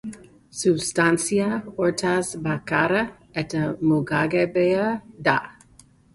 Substantzia, hortaz, bakarra eta mugagabea da.